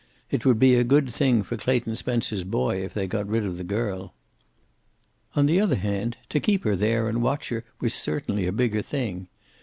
It would be a good thing for Clayton Spencer's boy if they got rid of the girl. On the other hand, to keep her there and watch her was certainly a bigger thing.